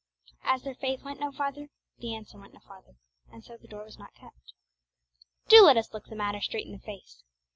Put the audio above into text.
As their faith went no farther, the answer went no farther, and so the door was not kept. Do let us look the matter straight in the face.